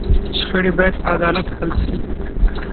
شخړې باید په عدالت حل شي.